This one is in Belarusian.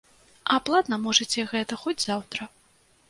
А платна можаце гэта хоць заўтра.